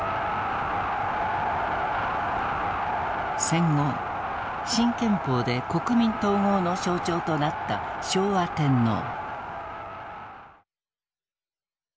戦後新憲法で国民統合の象徴となった昭和天皇。